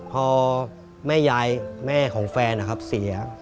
พอแม่ยายแม่ของแฟนเสีย